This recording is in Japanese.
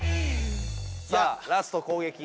さあラスト攻撃。